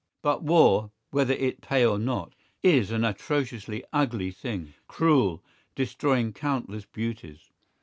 But war, whether it pay or not, is an atrociously ugly thing, cruel, destroying countless beauties.